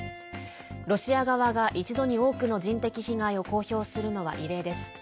ロシア側が、一度に多くの人的被害を公表するのは異例です。